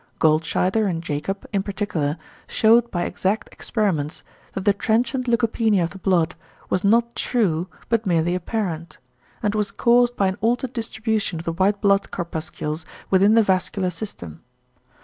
Goldscheider and Jacob, in particular, shewed by exact experiments that the transient leukopenia of the blood was not true but merely apparent; and was caused by an altered distribution of the white blood corpuscles within the vascular system.